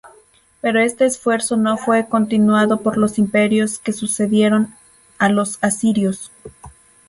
Pero este esfuerzo no fue continuado por los imperios que sucedieron a los asirios.